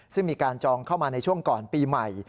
ซึ่งมีการจองเข้ามาในช่วงก่อนปีใหม่